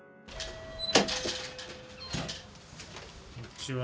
こんにちは。